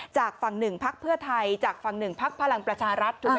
จากฝั่งหนึ่งภักดิ์เพื่อไทยจากฝั่งหนึ่งภักดิ์พลังประชารัฐ